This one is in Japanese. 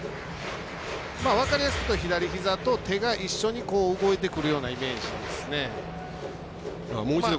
分かりやすく言うと、左ひざと手が一緒に動いてくるようなイメージですね。